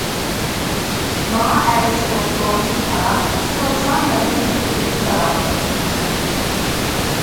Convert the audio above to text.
ماڭا ئەگەشمە كۆڭۈلسىز پاراڭ، سورىساڭ مەن بىر سۆيۈملۈك ساراڭ.